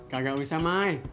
gak usah mai